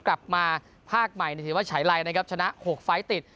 กลับมาภาคใหม่ที่ว่าฉายไร่ชนะหกไปติด